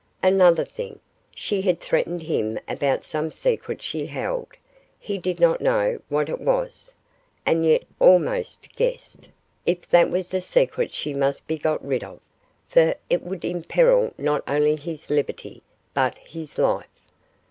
Another thing, she had threatened him about some secret she held he did not know what it was, and yet almost guessed; if that was the secret she must be got rid of, for it would imperil not only his liberty, but his life.